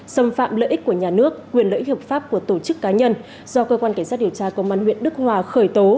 xâm phạm lợi ích của nhà nước quyền lợi ích hợp pháp của tổ chức cá nhân do cơ quan cảnh sát điều tra công an huyện đức hòa khởi tố